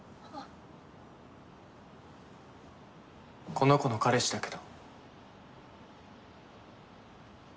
この子の彼氏だけど？